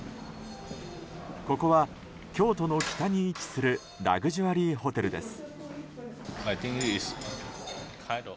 ここは、京都の北に位置するラグジュアリーホテルです。